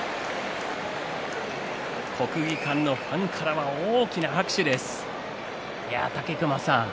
国技館のファンからは大きな拍手です。